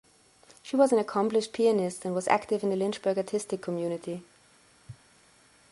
She was an accomplished pianist and was active in the Lynchburg artistic community.